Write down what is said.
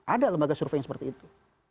ada lembaga survei yang seperti itu